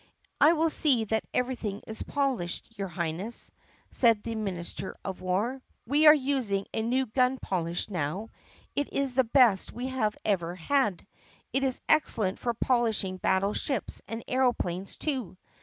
"I will see that everything is polished, your Highness," said the minister of war. "We are using a new gun polish now. It is the best we have ever had. It is excellent for polishing battle ships and aeroplanes, too.